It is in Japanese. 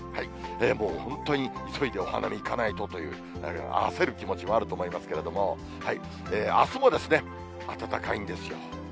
もう本当に急いでお花見行かないとという焦る気持ちもあると思いますけれども、あすも暖かいんですよ。